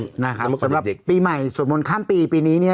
สำหรับเด็กปีใหม่สวดมนต์ข้ามปีปีนี้